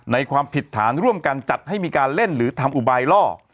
ความผิดฐานร่วมกันจัดให้มีการเล่นหรือทำอุบายล่อ